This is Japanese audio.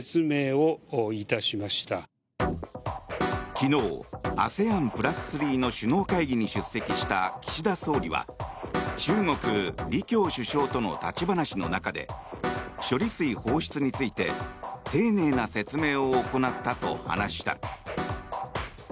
昨日、ＡＳＥＡＮ＋３の首脳会議に出席した岸田総理は中国、李強首相との立ち話の中で処理水放出について丁寧な説明を行ったと話した。